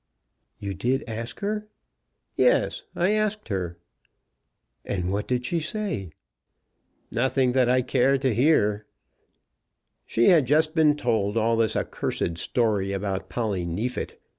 "You did ask her?" "Yes, I asked her." "And what did she say?" "Nothing that I cared to hear. She had just been told all this accursed story about Polly Neefit.